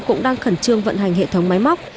cũng đang khẩn trương vận hành hệ thống máy móc